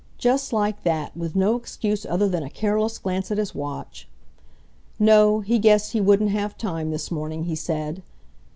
Just like that, with no excuse other than a careless glance at his watch. No, he guessed he wouldn't have time, this morning, he said.